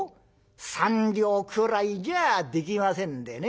３両くらいじゃできませんでね。